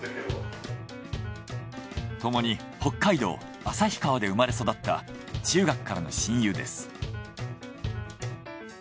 ともに北海道旭川で生まれ育った中学からの親友です。